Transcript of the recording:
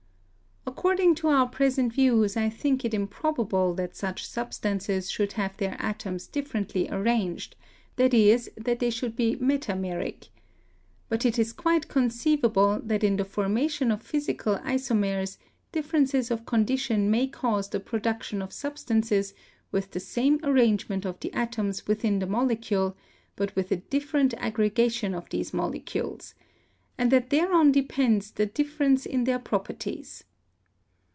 According to our present views, I think it improbable that such substances should have their atoms differently arranged — i.e., that they should be meta meric. But it is quite conceivable that in the formation of physical isomers differences of condition may cause the production of substances with the same arrangement of the atoms within the molecule, but with a different aggregation of these molecules; and that thereon depends the difference in their properties.